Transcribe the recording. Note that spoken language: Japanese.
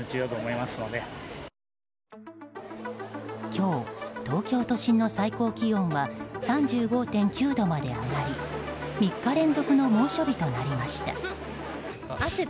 今日、東京都心の最高気温は３５．９度まで上がり３日連続の猛暑日となりました。